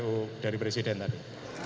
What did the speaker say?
itu dari presiden tadi